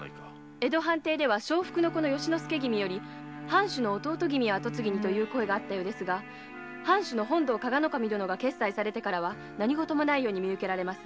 江戸藩邸では由之助君より藩主の弟君を跡継ぎにという声もあり藩主の本堂加賀守殿が決裁されてからは何事もないように見受けられます。